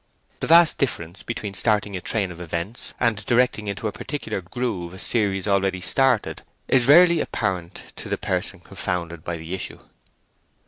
The vast difference between starting a train of events, and directing into a particular groove a series already started, is rarely apparent to the person confounded by the issue.